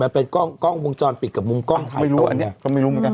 มันเป็นกล้องกล้องมุมจรปิดกับมุมกล้องข้างตรงเนี่ยไม่รู้อันนี้ก็ไม่รู้ไง